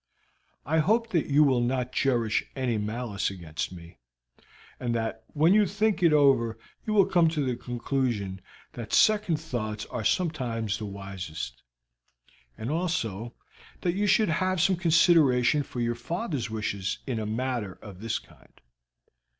"I hope that you will not cherish any malice against me, and that when you think it over you will come to the conclusion that second thoughts are sometimes the wisest, and also that you should have some consideration for your father's wishes in a matter of this kind.